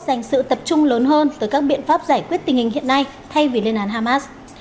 dành sự tập trung lớn hơn tới các biện pháp giải quyết tình hình hiện nay thay vì lên án hamas